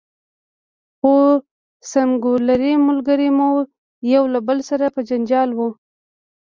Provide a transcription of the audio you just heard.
خو څنګلوري ملګري مو یو له بل سره په جنجال وو.